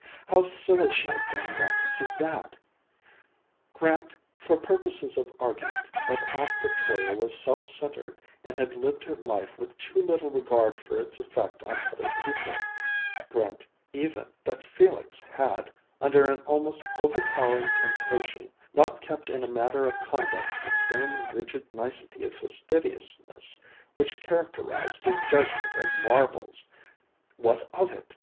How silly she had been not to see that. Grant, for purposes of argument, that Aunt Victoria was self centered and had lived her life with too little regard for its effect on other people, grant even that Felix had, under an almost overpowering temptation, not kept in a matter of conduct the same rigid nicety of fastidiousness which characterized his judgment of marbles what of it?